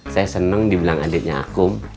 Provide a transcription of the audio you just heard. saya seneng dibilang adiknya kum